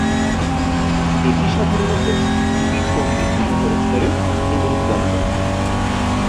এটি সাধারণত খুবই কম বিদ্যুত খরচ করে এবং কম দামি।